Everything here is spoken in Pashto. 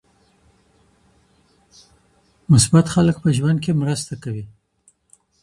مثبت خلګ په ژوند کي مرسته کوي.